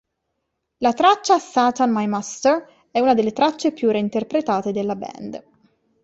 La traccia "Satan My Master" è una delle tracce più reinterpretate della band.